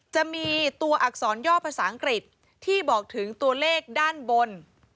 จะมีตัวอักษรย่อภาษาอังกฤษที่บอกถึงตัวเลขด้านบน